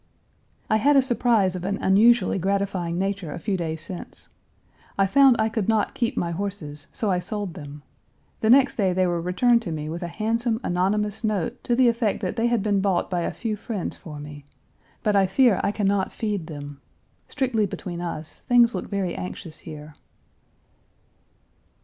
I had a surprise of an unusually gratifying nature a few days since. I found I could not keep my horses, so I sold them. The next day they were returned to me with a handsome anonymous note to the effect that they had been bought by a few friends for me. But I fear I can not feed them. Strictly between us, things look very anxious here."